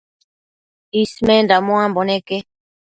Ismenda muambo neque